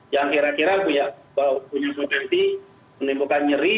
yang kira kira punya suatu nanti menimbulkan nyeri